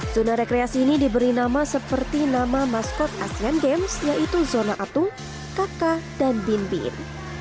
zona rekreasi ini diberi nama seperti nama maskot asian games yaitu zona atu kaka dan binbin